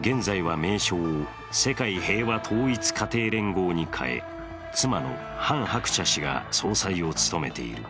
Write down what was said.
現在は名将を世界平和統一家庭連合に変え、妻のハン・ハクチャ氏が総裁を務めている。